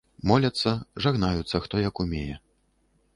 Моляцца, жагнаюцца, хто як умее.